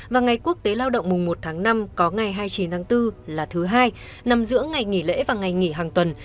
và ngày quốc tế lao động mùng một tháng năm có ngày hai mươi chín tháng bốn là thứ hai nằm giữa ngày nghỉ lễ và ngày nghỉ hàng tuần